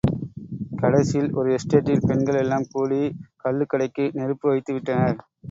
கடைசியில் ஒரு எஸ்டேட்டில் பெண்கள் எல்லாம் கூடி, கள்ளுக்கடைக்கு நெருப்பு வைத்து விட்டனர்.